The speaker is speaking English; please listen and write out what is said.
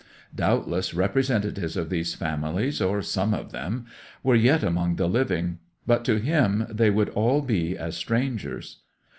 Doubtless representatives of these families, or some of them, were yet among the living; but to him they would all be as strangers.